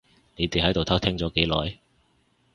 你哋喺度偷聽咗幾耐？